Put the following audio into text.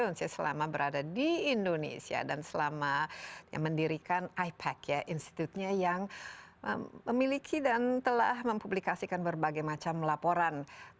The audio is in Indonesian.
sidney jones selama berada di indonesia dan selama mendirikan ipac institutnya yang memiliki dan telah mempublikasikan berbagai macam laporan